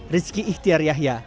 rizky ikhtiar yahya